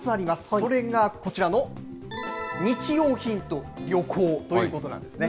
それがこちらの日用品と旅行ということなんですね。